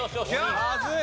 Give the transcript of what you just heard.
まずい。